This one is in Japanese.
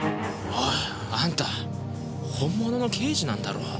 おいあんた本物の刑事なんだろ。